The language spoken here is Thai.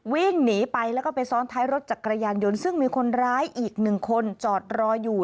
วิ่งหนีไปแล้วก็ไปซ้อนท้ายรถจักรยานยนต์ซึ่งมีคนร้ายอีกหนึ่งคนจอดรออยู่